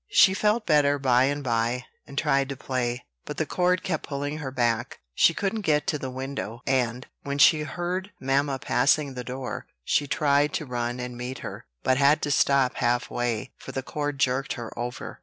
She felt better by and by, and tried to play; but the cord kept pulling her back. She couldn't get to the window; and, when she heard mamma passing the door, she tried to run and meet her, but had to stop halfway, for the cord jerked her over.